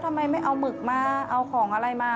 ทำไมไม่เอาหมึกมาเอาของอะไรมา